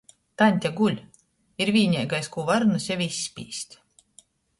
"Taņte guļ!" ir vīneigais, kū varu nu seve izspīst.